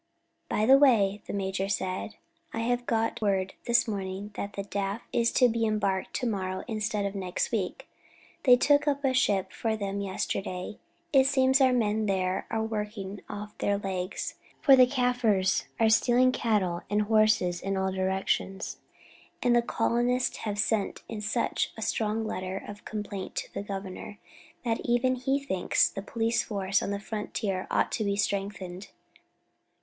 "By the way," the major said, "I have got word this morning that the draft is to be embarked to morrow instead of next week. They took up a ship for them yesterday; it seems our men there are worked off their legs, for the Kaffirs are stealing cattle and horses in all directions, and the colonists have sent in such a strong letter of complaint to the Governor that even he thinks the police force on the frontier ought to be strengthened.